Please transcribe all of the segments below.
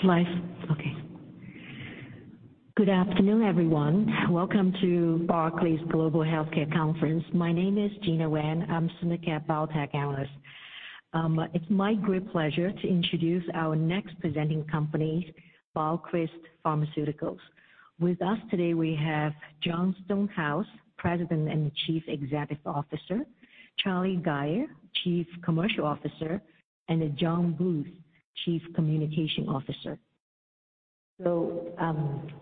It's live? Okay. Good afternoon, everyone. Welcome to Barclays Global Healthcare Conference. My name is Gena Wang. I'm a Senior Biotech analyst. It's my great pleasure to introduce our next presenting company, BioCryst Pharmaceuticals. With us today, we have Jon Stonehouse, President and Chief Executive Officer; Charlie Gayer, Chief Commercial Officer; and then Jon Bluth, Chief Communication Officer.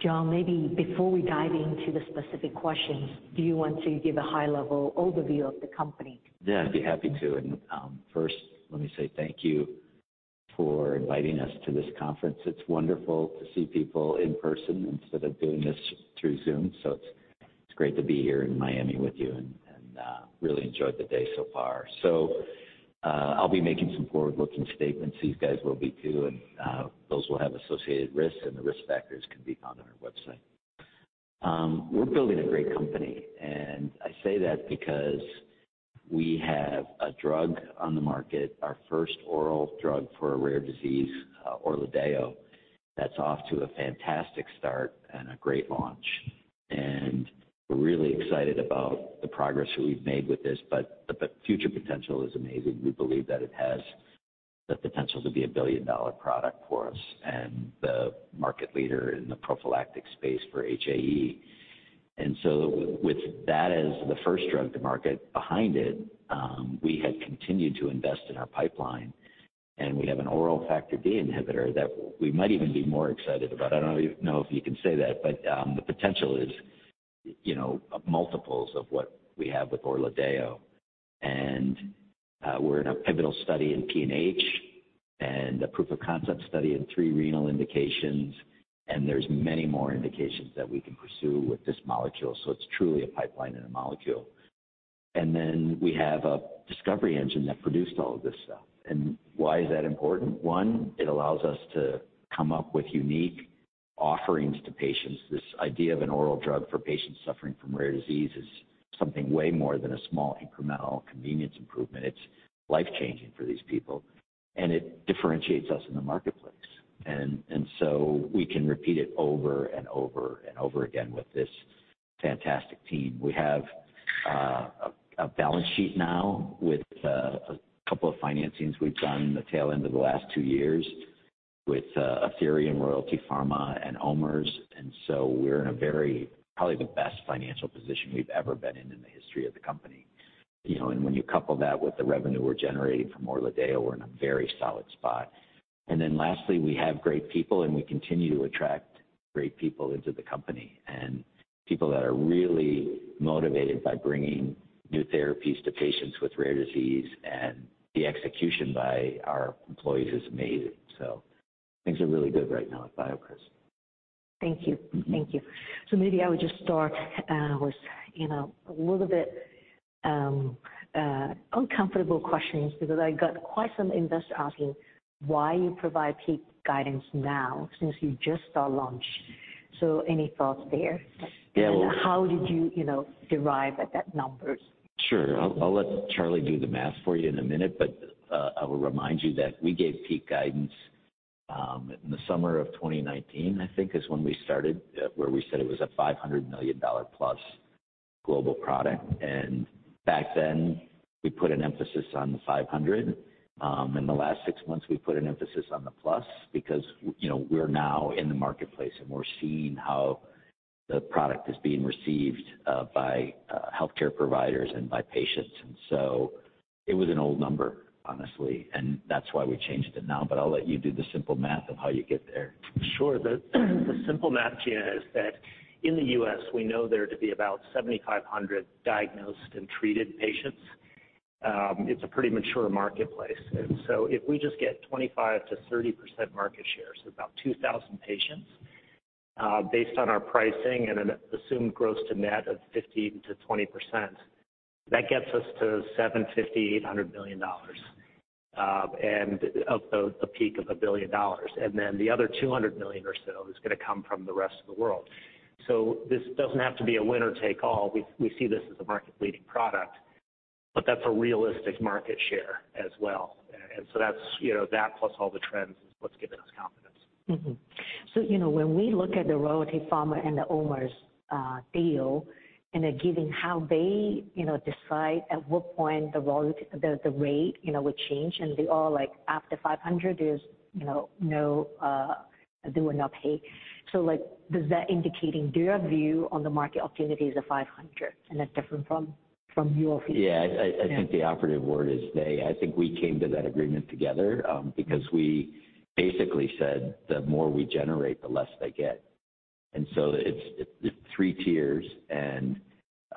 Jon, maybe before we dive into the specific questions, do you want to give a high-level overview of the company? Yeah, I'd be happy to. First, let me say thank you for inviting us to this conference. It's wonderful to see people in person instead of doing this through Zoom. It's great to be here in Miami with you and really enjoyed the day so far. I'll be making some forward-looking statements. These guys will be too, and those will have associated risks, and the risk factors can be found on our website. We're building a great company, and I say that because we have a drug on the market, our first oral drug for a rare disease, ORLADEYO, that's off to a fantastic start and a great launch. We're really excited about the progress we've made with this, but the future potential is amazing. We believe that it has the potential to be a billion-dollar product for us and the market leader in the prophylactic space for HAE. With that as the first drug to market behind it, we have continued to invest in our pipeline, and we have an oral factor D inhibitor that we might even be more excited about. I don't even know if you can say that, but the potential is, you know, multiples of what we have with ORLADEYO. We're in a pivotal study in PNH and a proof of concept study in three renal indications, and there's many more indications that we can pursue with this molecule. It's truly a pipeline in a molecule. We have a discovery engine that produced all of this stuff. Why is that important? 1, it allows us to come up with unique offerings to patients. This idea of an oral drug for patients suffering from rare disease is something way more than a small incremental convenience improvement. It's life-changing for these people, and it differentiates us in the marketplace. We can repeat it over and over and over again with this fantastic team. We have a balance sheet now with a couple of financings we've done in the tail end of the last two years with Athyrium, Royalty Pharma and OMERS. We're in a very probably the best financial position we've ever been in the history of the company. You know, and when you couple that with the revenue we're generating from ORLADEYO, we're in a very solid spot. Lastly, we have great people, and we continue to attract great people into the company and people that are really motivated by bringing new therapies to patients with rare disease, and the execution by our employees is amazing. Things are really good right now at BioCryst. Thank you. Maybe I would just start with, you know, a little bit uncomfortable questions because I got quite some investors asking why you provide peak guidance now since you just saw launch. Any thoughts there? Yeah, well. How did you know, arrive at those numbers? Sure. I'll let Charlie do the math for you in a minute, but I will remind you that we gave peak guidance in the summer of 2019. I think is when we started, where we said it was a $500 million-plus global product. Back then, we put an emphasis on the 500. In the last six months, we put an emphasis on the plus because, you know, we're now in the marketplace, and we're seeing how the product is being received by healthcare providers and by patients. It was an old number, honestly, and that's why we changed it now, but I'll let you do the simple math of how you get there. Sure. The simple math, Gena, is that in the U.S., we know there to be about 7,500 diagnosed and treated patients. It's a pretty mature marketplace. If we just get 25%-30% market share, so about 2,000 patients, based on our pricing and an assumed gross-to-net of 15%-20%, that gets us to $750 million-$800 million, and up to the peak of $1 billion. Then the other $200 million or so is gonna come from the rest of the world. This doesn't have to be a winner take all. We see this as a market-leading product, but that's a realistic market share as well. That's, you know, that plus all the trends is what's giving us confidence. You know, when we look at the Royalty Pharma and the OMERS deal and then given how they, you know, decide at what point the royalty rate, you know, would change and they all like after $500 there's, you know, no, they would not pay. Like does that indicating their view on the market opportunity is a $500 and that's different from your view? Yeah. I think the operative word is they. I think we came to that agreement together because we basically said the more we generate, the less they get. It's three tiers and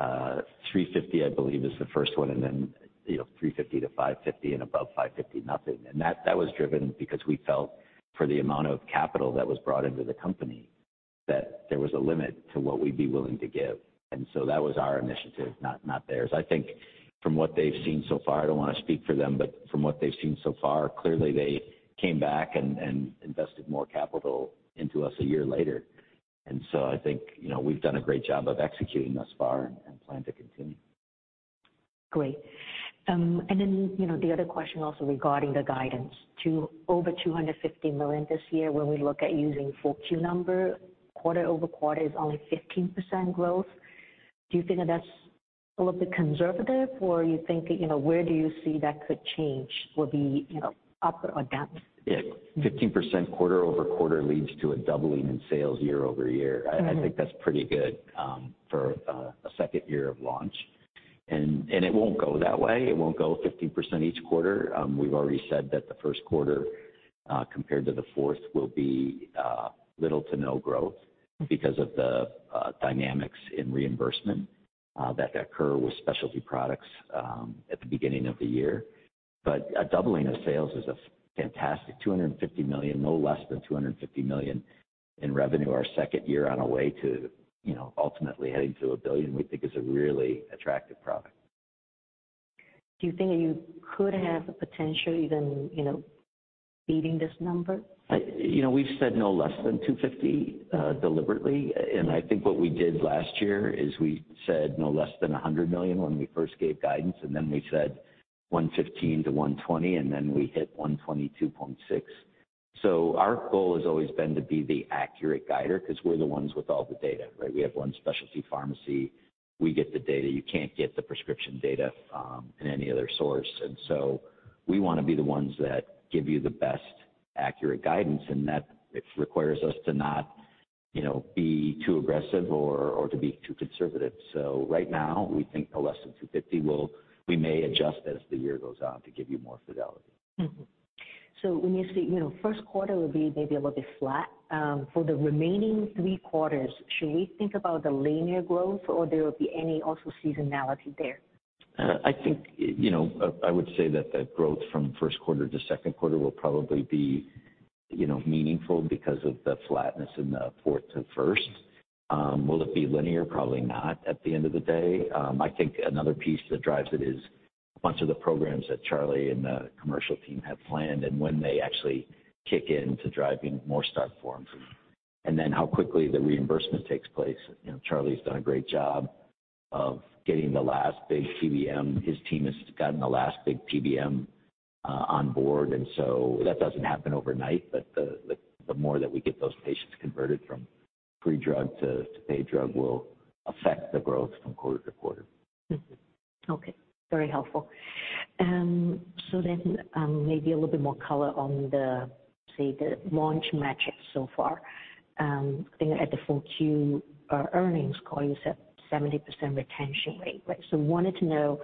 $350, I believe is the first one. You know, $350-$550 and above $550 nothing. That was driven because we felt for the amount of capital that was brought into the company that there was a limit to what we'd be willing to give. That was our initiative, not theirs. I think from what they've seen so far, I don't wanna speak for them, but from what they've seen so far, clearly they came back and invested more capital into us a year later. I think, you know, we've done a great job of executing thus far and plan to continue. Great. You know, the other question also regarding the guidance to over $250 million this year when we look at using full Q number, quarter-over-quarter is only 15% growth. Do you think that that's a little bit conservative or you think, you know, where do you see that could change, will be, you know, up or down? Yeah. 15% quarter-over-quarter leads to a doubling in sales year-over-year. Mm-hmm. I think that's pretty good for a second year of launch. It won't go that way. It won't go 15% each quarter. We've already said that the first quarter compared to the fourth will be little to no growth because of the dynamics in reimbursement that occur with specialty products at the beginning of the year. A doubling of sales is a fantastic $250 million, no less than $250 million in revenue our second year on a way to, you know, ultimately heading to a billion, we think is a really attractive product. Do you think you could have the potential even, you know, beating this number? You know, we've said no less than $250 million deliberately. I think what we did last year is we said no less than $100 million when we first gave guidance, and then we said $115 million-$120 million, and then we hit $122.6 million. Our goal has always been to be the accurate guider, 'cause we're the ones with all the data, right? We have one specialty pharmacy. We get the data. You can't get the prescription data in any other source. We wanna be the ones that give you the best accurate guidance, and that it requires us to not, you know, be too aggressive or to be too conservative. Right now, we think no less than $250 million. We may adjust as the year goes on to give you more fidelity. Mm-hmm. When you say, you know, first quarter will be maybe a little bit flat, for the remaining three quarters, should we think about the linear growth or there will be any also seasonality there? I think, you know, I would say that the growth from first quarter to second quarter will probably be, you know, meaningful because of the flatness in the fourth to first. Will it be linear? Probably not at the end of the day. I think another piece that drives it is a bunch of the programs that Charlie and the commercial team have planned and when they actually kick in to driving more stock for them. How quickly the reimbursement takes place. You know, Charlie's done a great job of getting the last big PBM. His team has gotten the last big PBM on board, and so that doesn't happen overnight. The more that we get those patients converted from free drug to paid drug will affect the growth from quarter to quarter. Okay. Very helpful. Maybe a little bit more color on, say, the launch metrics so far. I think at the full-year earnings call, you said 70% retention rate, right? Wanted to know,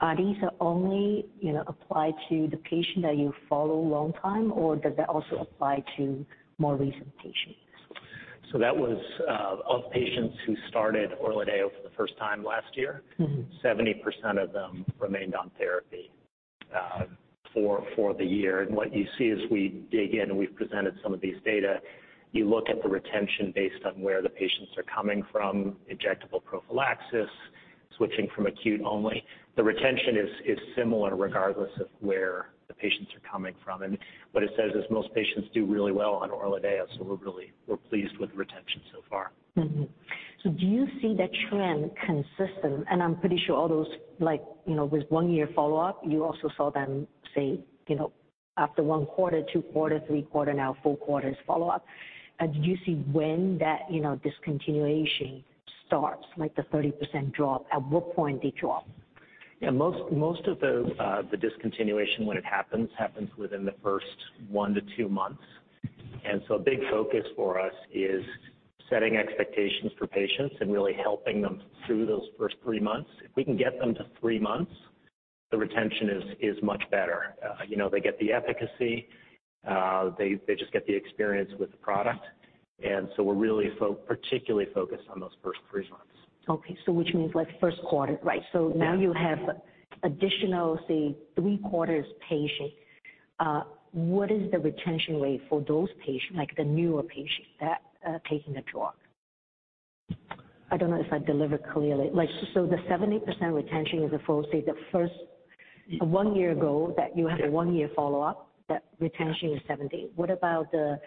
are these only, you know, applied to the patient that you follow long time, or does that also apply to more recent patients? That was of patients who started ORLADEYO for the first time last year. Mm-hmm. 70% of them remained on therapy for the year. What you see as we dig in, we've presented some of these data, you look at the retention based on where the patients are coming from, injectable prophylaxis, switching from acute only. The retention is similar regardless of where the patients are coming from. What it says is most patients do really well on ORLADEYO, so we're really pleased with retention so far. Do you see the trend consistent? I'm pretty sure all those like, you know, with one year follow-up, you also saw them say, you know, after 1 quarter, 2 quarter, 3 quarter, now 4 quarters follow-up. Do you see when that, you know, discontinuation starts, like the 30% drop, at what point they drop? Yeah. Most of the discontinuation when it happens happens within the first 1-2 months. A big focus for us is setting expectations for patients and really helping them through those first 3 months. If we can get them to 3 months, the retention is much better. You know, they get the efficacy, they just get the experience with the product. We're really particularly focused on those first 3 months. Okay. Which means like first quarter, right? Yeah. Now you have additional, say, three quarters patients. What is the retention rate for those patients, like the newer patients that are taking the drug? I don't know if I delivered clearly. Like, the 70% retention is the first, say, one year ago that you have a one-year follow-up, that retention is 70%. What about the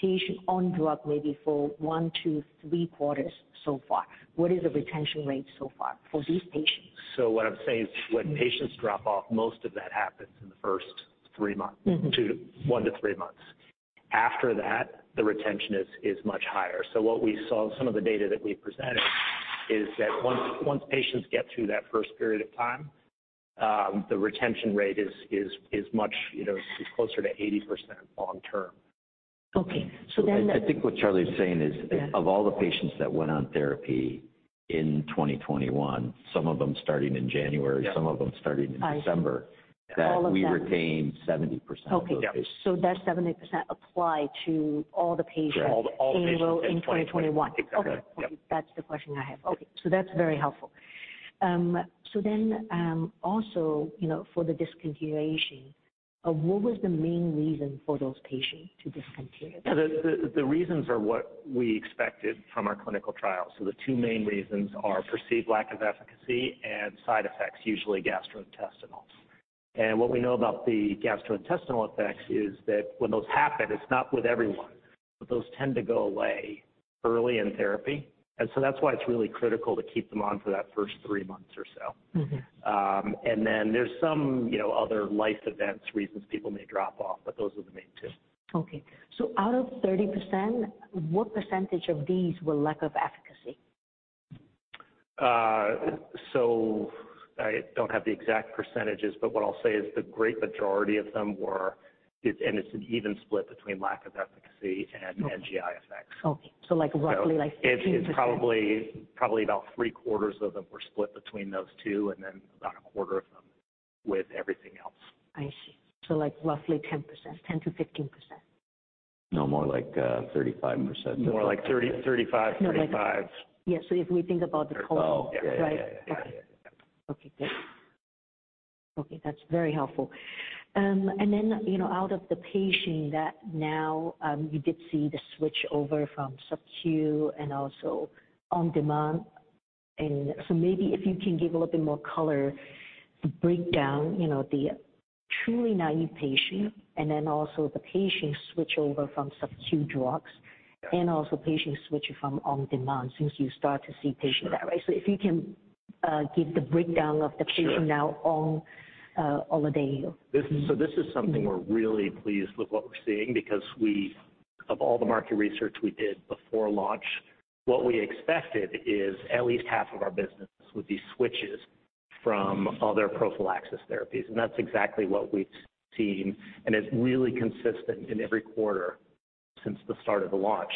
patients on drug maybe for one to three quarters so far? What is the retention rate so far for these patients? What I'm saying is, when patients drop off, most of that happens in the first three months. Mm-hmm. 1-3 months. After that, the retention is much higher. What we saw, some of the data that we presented is that once patients get through that first period of time, the retention rate is much, you know, closer to 80% long term. Okay. I think what Charlie is saying is. Yeah. of all the patients that went on therapy in 2021, some of them starting in January. Yeah. some of them starting in December. I see. that we retained 70% of those patients. Okay. Yeah. that 70% apply to all the patients. Sure, all patients in 2021. in 2021. Exactly. Yep. Okay. That's the question I have. Okay. So that's very helpful. Also, you know, for the discontinuation, what was the main reason for those patients to discontinue? Yeah. The reasons are what we expected from our clinical trial. The two main reasons are perceived lack of efficacy and side effects, usually gastrointestinals. What we know about the gastrointestinal effects is that when those happen, it's not with everyone. But those tend to go away early in therapy. That's why it's really critical to keep them on for that first three months or so. Mm-hmm. There's some, you know, other life events, reasons people may drop off, but those are the main two. Okay. Out of 30%, what percentage of these were lack of efficacy? I don't have the exact percentages, but what I'll say is the great majority of them, and it's an even split between lack of efficacy and- Okay. GI effects. Okay. Like roughly like 15%. It's probably about three-quarters of them were split between those two, and then about a quarter of them with everything else. I see. Like roughly 10%. 10%-15%. No, more like, 35%. More like 30, 35. Yes. If we think about the total. Oh, yeah, yeah. Right. Okay, good. That's very helpful. You know, out of the patient that now you did see the switchover from subQ and also on-demand. Maybe if you can give a little bit more color, the breakdown, you know, the truly naive patient, and then also the patients switch over from subQ drugs, and also patients switching from on-demand since you start to see patients that way. Sure. If you can, give the breakdown of the patient- Sure. Now on, ORLADEYO. This is something we're really pleased with what we're seeing. Of all the market research we did before launch, what we expected is at least half of our business would be switches from other prophylaxis therapies, and that's exactly what we've seen. It's really consistent in every quarter since the start of the launch.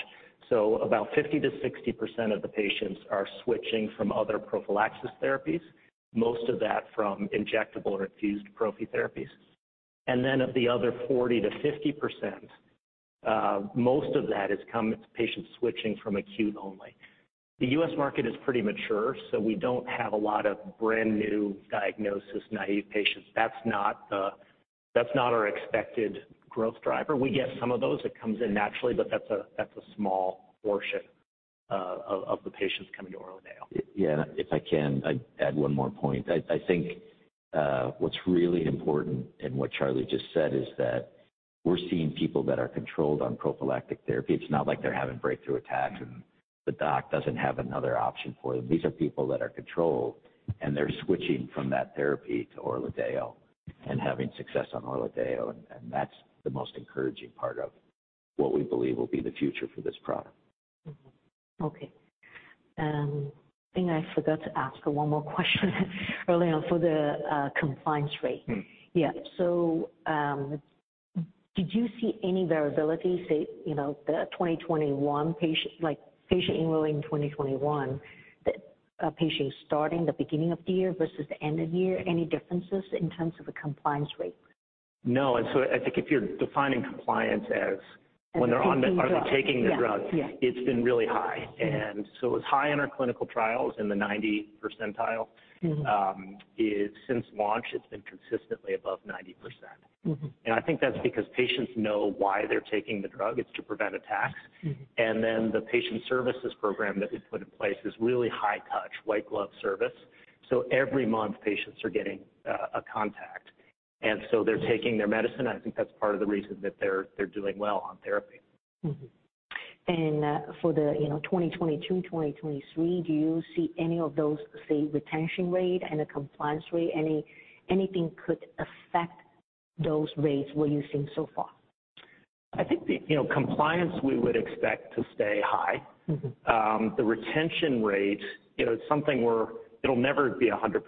About 50%-60% of the patients are switching from other prophylaxis therapies, most of that from injectable or infused prophy therapies. Then of the other 40%-50%, most of that is coming from patients switching from acute-only. The U.S. market is pretty mature, so we don't have a lot of brand-new diagnosis-naive patients. That's not our expected growth driver. We get some of those, it comes in naturally, but that's a small portion of the patients coming to ORLADEYO. Yeah, if I can, I'd add one more point. I think what's really important in what Charlie just said is that we're seeing people that are controlled on prophylactic therapy. It's not like they're having breakthrough attacks and the doc doesn't have another option for them. These are people that are controlled, and they're switching from that therapy to ORLADEYO and having success on ORLADEYO, and that's the most encouraging part of what we believe will be the future for this product. Mm-hmm. Okay. I think I forgot to ask one more question early on for the compliance rate. Mm-hmm. Did you see any variability, say, you know, the 2021 patient, like patients enrolling in 2021, patients starting the beginning of the year versus the end of the year, any differences in terms of the compliance rate? No. I think if you're defining compliance as when they're on the- Taking the drug. Are they taking the drug? Yeah, yeah. It's been really high. Mm-hmm. It was high in our clinical trials in the 90th percentile. Mm-hmm. Since launch, it's been consistently above 90%. Mm-hmm. I think that's because patients know why they're taking the drug. It's to prevent attacks. Mm-hmm. The patient services program that we put in place is really high touch, white glove service. Every month patients are getting a contact, and they're taking their medicine, and I think that's part of the reason that they're doing well on therapy. For the, you know, 2022, 2023, do you see any of those, say, retention rate and the compliance rate, anything could affect those rates, what you've seen so far? I think the, you know, compliance we would expect to stay high. Mm-hmm. The retention rate, you know, it'll never be 100%,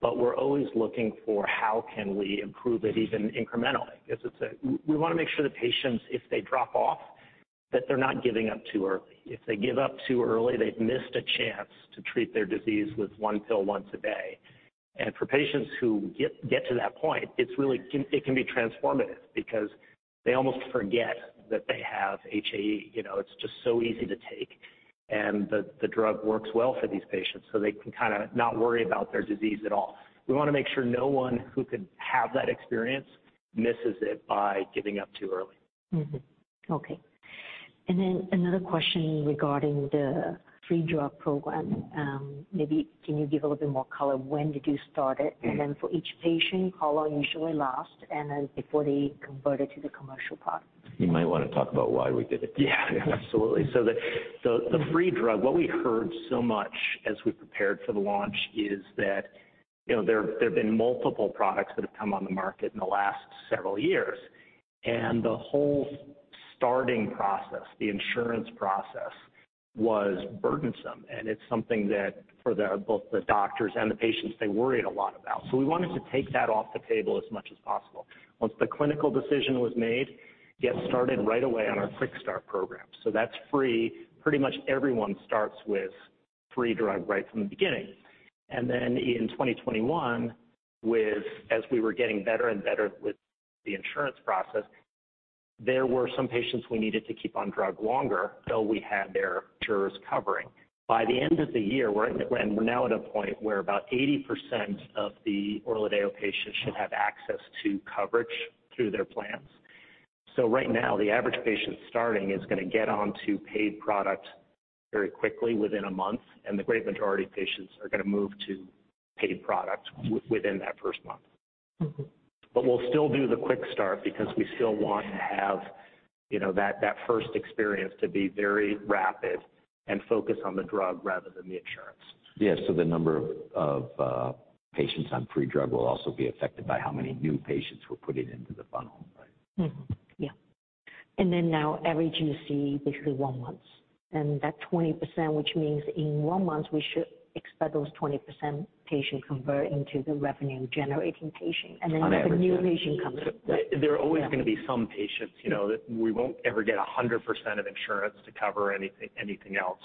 but we're always looking for how we can improve it even incrementally. We want to make sure the patients, if they drop off, that they're not giving up too early. If they give up too early, they've missed a chance to treat their disease with one pill once a day. For patients who get to that point, it can be transformative because they almost forget that they have HAE. You know, it's just so easy to take, and the drug works well for these patients, so they can kinda not worry about their disease at all. We want to make sure no one who could have that experience misses it by giving up too early. Mm-hmm. Okay. Another question regarding the free drug program. Maybe can you give a little bit more color? When did you start it? Mm-hmm. For each patient, how long usually last and then before they convert it to the commercial product? You might wanna talk about why we did it. Yeah, absolutely. The free drug, what we heard so much as we prepared for the launch is that, you know, there have been multiple products that have come on the market in the last several years, and the whole starting process, the insurance process was burdensome, and it's something that for both the doctors and the patients, they worried a lot about. We wanted to take that off the table as much as possible. Once the clinical decision was made, get started right away on our Quick Start program. That's free. Pretty much everyone starts with free drug right from the beginning. Then in 2021, with as we were getting better and better with the insurance process, there were some patients we needed to keep on drug longer till we had their insurers covering. By the end of the year, we're now at a point where about 80% of the ORLADEYO patients should have access to coverage through their plans. Right now, the average patient starting is gonna get onto paid product very quickly within a month, and the great majority of patients are gonna move to paid product within that first month. Mm-hmm. We'll still do the Quick Start because we still want to have, you know, that first experience to be very rapid and focused on the drug rather than the insurance. Yes. The number of patients on free drug will also be affected by how many new patients we're putting into the funnel, right? On average, you see basically one month. That 20%, which means in one month we should expect those 20% patients to convert into revenue-generating patients. On average, yeah. The new patient comes in. There are always gonna be some patients, you know, that we won't ever get 100% of insurance to cover anything else.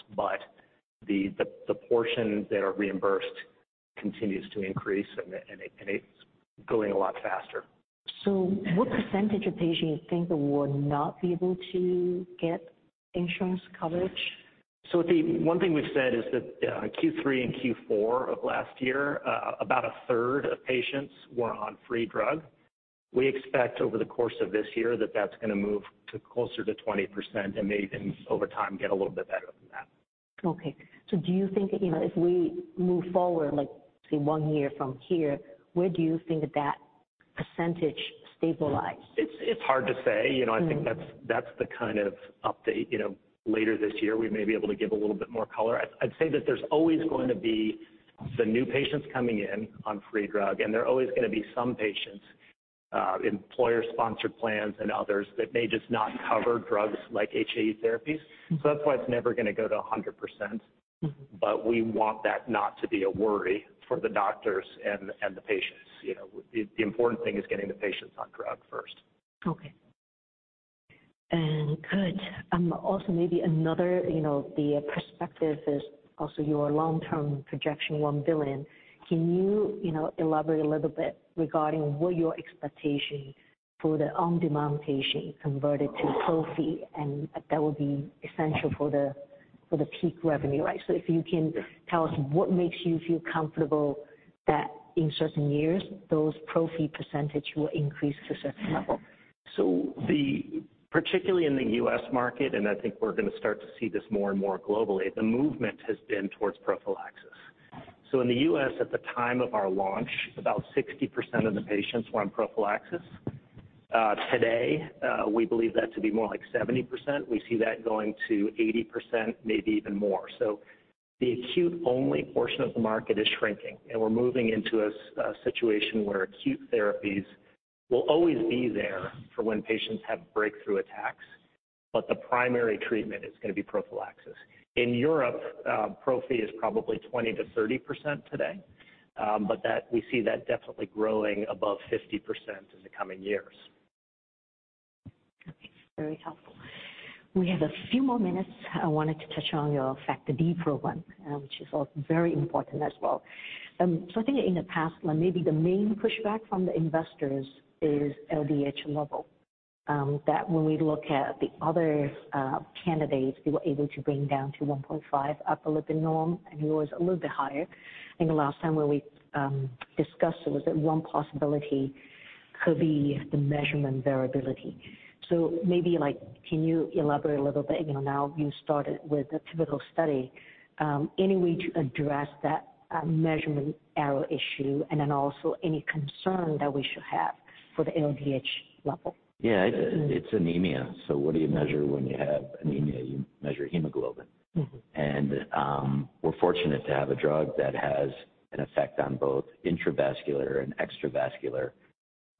The portions that are reimbursed continues to increase and it's going a lot faster. What percentage of patients you think will not be able to get insurance coverage? The one thing we've said is that, Q3 and Q4 of last year, about a third of patients were on free drug. We expect over the course of this year that that's gonna move to closer to 20% and maybe even over time, get a little bit better than that. Okay. Do you think, you know, if we move forward, like say 1 year from here, where do you think that percentage stabilize? It's hard to say. You know. Mm-hmm. I think that's the kind of update, you know, later this year we may be able to give a little bit more color. I'd say that there's always going to be the new patients coming in on free drug, and there are always gonna be some patients, employer sponsored plans and others that may just not cover drugs like HAE therapies. Mm-hmm. That's why it's never gonna go to 100%. Mm-hmm. We want that not to be a worry for the doctors and the patients. You know, the important thing is getting the patients on drug first. Okay. Also maybe another, you know, the perspective is also your long-term projection, $1 billion. Can you know, elaborate a little bit regarding what your expectation for the on-demand patient converted to prophy and that will be essential for the peak revenue, right? If you can tell us what makes you feel comfortable that in certain years those prophy percentage will increase to certain level. The particularly in the U.S. market, and I think we're gonna start to see this more and more globally, the movement has been towards prophylaxis. In the U.S., at the time of our launch, about 60% of the patients were on prophylaxis. Today, we believe that to be more like 70%. We see that going to 80%, maybe even more. The acute only portion of the market is shrinking, and we're moving into a situation where acute therapies will always be there for when patients have breakthrough attacks, but the primary treatment is gonna be prophylaxis. In Europe, prophy is probably 20%-30% today. But that, we see that definitely growing above 50% in the coming years. Okay. Very helpful. We have a few more minutes. I wanted to touch on your factor D program, which is also very important as well. I think in the past, like maybe the main pushback from the investors is LDH level, that when we look at the other candidates, they were able to bring down to 1.5 upper limit norm, and yours was a little bit higher. I think the last time where we discussed it was that one possibility could be the measurement variability. Maybe like, can you elaborate a little bit? You know, now you started with a pivotal study. Any way to address that measurement error issue and then also any concern that we should have for the LDH level? Yeah. It's anemia. What do you measure when you have anemia? You measure hemoglobin. Mm-hmm. We're fortunate to have a drug that has an effect on both intravascular and extravascular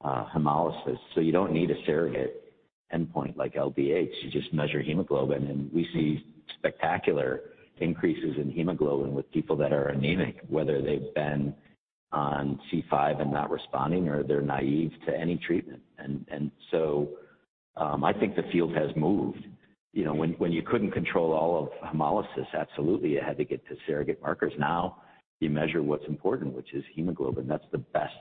hemolysis. You don't need a surrogate endpoint like LDH. You just measure hemoglobin. We see spectacular increases in hemoglobin with people that are anemic, whether they've been on C5 and not responding or they're naive to any treatment. I think the field has moved. You know, when you couldn't control all of hemolysis, absolutely it had to get to surrogate markers. Now you measure what's important, which is hemoglobin. That's the best,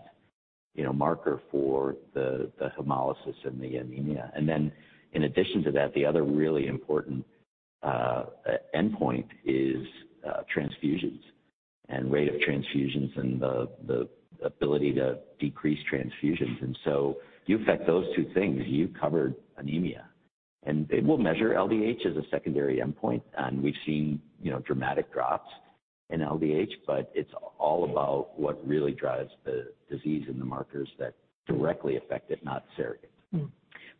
you know, marker for the hemolysis and the anemia. Then in addition to that, the other really important endpoint is transfusions and rate of transfusions and the ability to decrease transfusions. You affect those two things, you've covered anemia. We'll measure LDH as a secondary endpoint. We've seen, you know, dramatic drops in LDH, but it's all about what really drives the disease and the markers that directly affect it, not surrogate.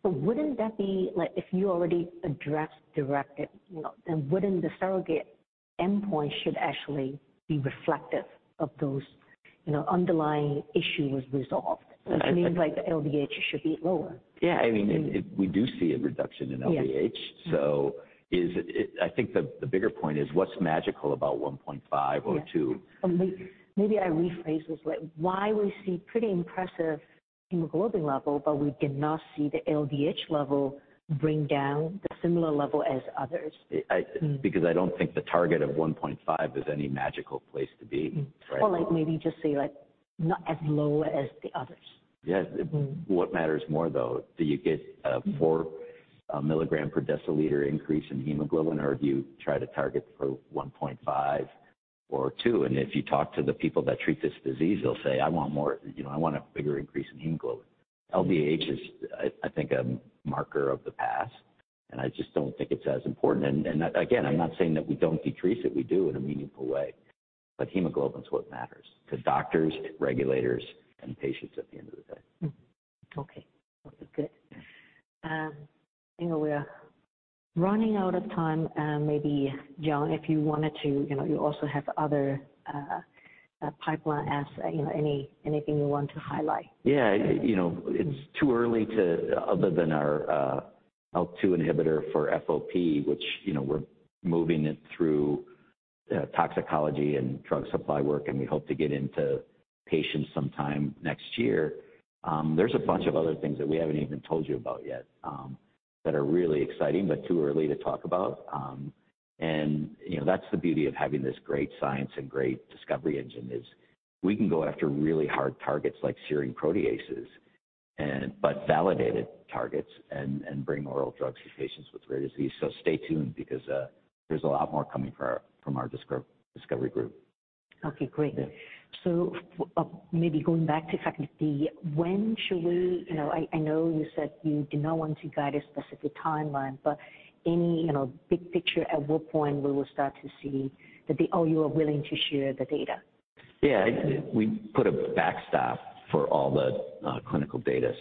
Wouldn't that be like if you already addressed direct hit, you know, then wouldn't the surrogate endpoint should actually be reflective of those, you know, underlying issue was resolved? I Which means like the LDH should be lower. Yeah. I mean, we do see a reduction in LDH. Yes. I think the bigger point is what's magical about 1.5 or 2? Yeah. Maybe I rephrase this. Like, why we see pretty impressive hemoglobin level, but we cannot see the LDH level bring down the similar level as others? I- Mm-hmm. Because I don't think the target of 1.5 is any magical place to be. Mm-hmm. Right? Like, maybe just say like, not as low as the others. Yes. Mm-hmm. What matters more though, do you get a 4 milligram per deciliter increase in hemoglobin, or do you try to target for 1.5 or 2? If you talk to the people that treat this disease, they'll say, "I want more, you know, I want a bigger increase in hemoglobin." LDH is, I think, a marker of the past, and I just don't think it's as important. Again, I'm not saying that we don't decrease it, we do in a meaningful way. Hemoglobin is what matters to doctors, regulators, and patients at the end of the day. Okay. Good. You know, we're running out of time, maybe, Jon, if you wanted to, you know, you also have other pipeline assets, you know, anything you want to highlight? Yeah. You know, it's too early. Other than our ALK-2 inhibitor for FOP, which, you know, we're moving it through toxicology and drug supply work, and we hope to get into patients sometime next year. There's a bunch of other things that we haven't even told you about yet that are really exciting, but too early to talk about. You know, that's the beauty of having this great science and great discovery engine, is we can go after really hard targets like serine proteases and validated targets and bring oral drugs to patients with rare disease. Stay tuned because there's a lot more coming from our discovery group. Okay, great. Yeah. Maybe going back to FOP, when should we? You know, I know you said you do not want to guide a specific timeline, but any, you know, big picture, at what point we will start to see that you are willing to share the data? Yeah. We put a backstop for all the clinical data.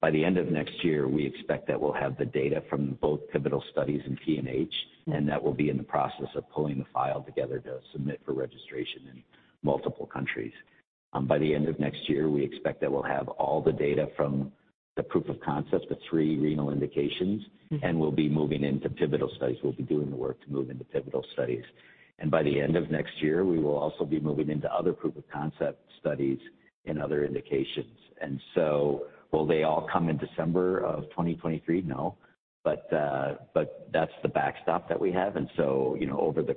By the end of next year, we expect that we'll have the data from both pivotal studies in PNH, and that will be in the process of pulling the file together to submit for registration in multiple countries. By the end of next year, we expect that we'll have all the data from the proof of concept, the three renal indications, and we'll be moving into pivotal studies. We'll be doing the work to move into pivotal studies. By the end of next year, we will also be moving into other proof of concept studies in other indications. Will they all come in December of 2023? No. That's the backstop that we have. You know, over the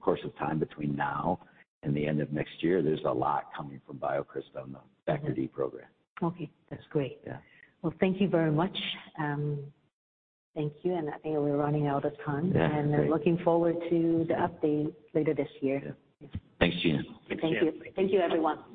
course of time between now and the end of next year, there's a lot coming from BioCryst on the Factor D program. Okay, that's great. Yeah. Well, thank you very much. Thank you. I think we're running out of time. Yeah. Great. Looking forward to the update later this year. Yeah. Thanks, Gena. Thank you. Thank you, everyone.